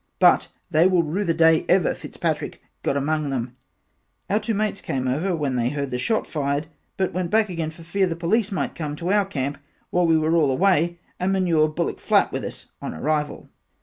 but they will rue the day ever Fitzpatrick got among them, Our two mates came over when they heard the shot fired but went back again for fear the Police might come to our camp while we were all away and manure bullock flat with us on our arrival.